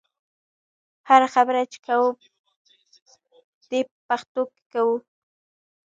هره خبره چې کوو دې په پښتو کوو.